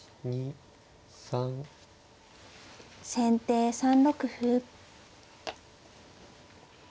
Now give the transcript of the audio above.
先手３六歩。